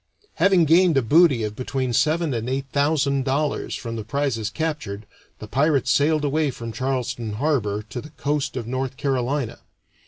Having gained a booty of between seven and eight thousand dollars from the prizes captured, the pirates sailed away from Charleston Harbor to the coast of North Carolina.